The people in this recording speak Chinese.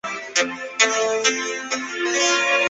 松驹的后辈。